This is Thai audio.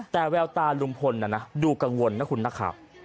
แต่แววตาลุงพลดูกังวลนะคุณนักข่าว